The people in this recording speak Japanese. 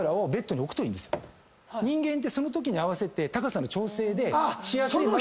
人間ってそのときに合わせて高さの調整で。